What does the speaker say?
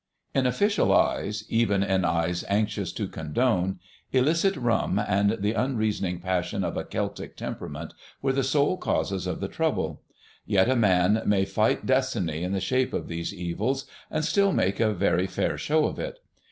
In Official eyes—even in eyes anxious to condone—illicit rum and the unreasoning passion of a Celtic temperament were the sole causes of the trouble. Yet a man may fight Destiny in the shape of these evils and still make a very fair show of it.